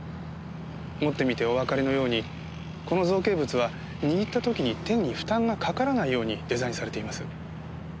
持ってみておわかりのようにこの造形物は握った時に手に負担がかからないようにデザインされています。